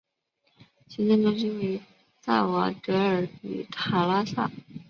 行政中心位于萨瓦德尔与塔拉萨。